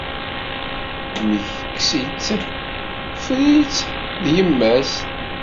Meg kkes-itt, ffer-itt, d yemma-s.